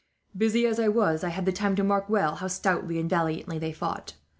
Busy as I was, I had time to mark well how stoutly and valiantly they fought.